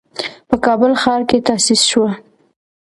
په کابل ښار کې تأسيس شوه.